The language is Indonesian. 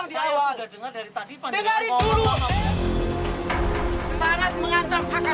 saya sudah bilang di awal dengarin dulu